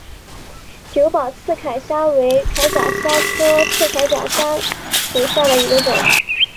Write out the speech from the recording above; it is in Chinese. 久保刺铠虾为铠甲虾科刺铠虾属下的一个种。